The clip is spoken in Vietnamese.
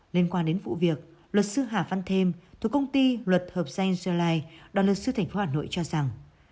liên quan đến vụ việc luật sư hà văn thêm thuộc công ty luật hợp danh gia lai đoàn luật sư tp hà nội cho rằng